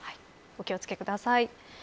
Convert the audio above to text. お気を付けください。